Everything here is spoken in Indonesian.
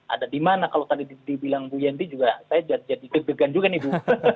ada di mana kalau tadi dibilang bu yendi juga saya jadi deg degan juga nih bu